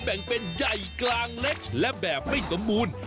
แบ่งเป็นใหญ่กลางเล็กและแบบไม่สมบูรณ์